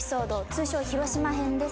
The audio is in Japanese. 通称広島編です。